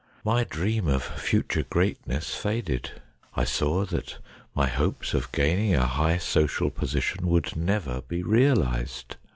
My dream of future greatness faded. I saw that my hopes of gaining a high social position would never be realised.